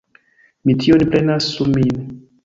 Mi tion prenas sur min.